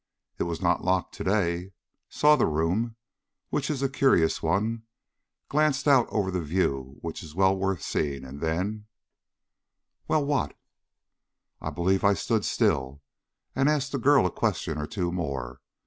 "It was not locked to day saw the room, which is a curious one glanced out over the view, which is well worth seeing, and then " "Well, what?" "I believe I stood still and asked the girl a question or two more.